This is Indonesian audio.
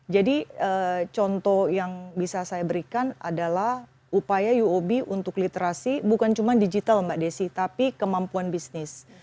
jadi contoh yang bisa saya berikan adalah upaya yub untuk literasi bukan cuma digital mbak yesi tapi kemampuan bisnis